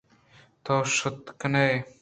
تو شُت کن ئے